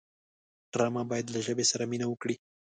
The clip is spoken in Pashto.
ډرامه باید له ژبې سره مینه وکړي